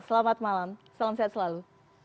selamat malam salam sehat selalu